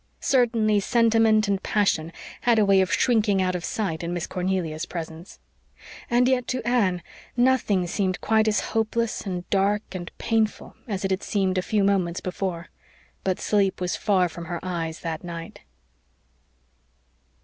Certainly, sentiment and passion had a way of shrinking out of sight in Miss Cornelia's presence. And yet to Anne nothing seemed quite as hopeless and dark and painful as it had seemed a few moments before. But sleep was far from her eyes that night.